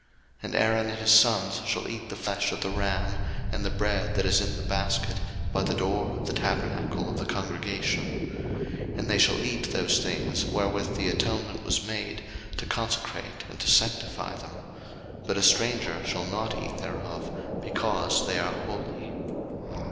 02:029:032 And Aaron and his sons shall eat the flesh of the ram, and the bread that is in the basket by the door of the tabernacle of the congregation. 02:029:033 And they shall eat those things wherewith the atonement was made, to consecrate and to sanctify them: but a stranger shall not eat thereof, because they are holy.